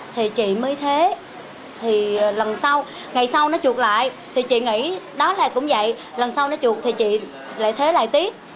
thì chị mới thế thì lần sau ngày sau nó chuột lại thì chị nghĩ đó là cũng vậy lần sau nó chuột thì chị lại thế lại tiếp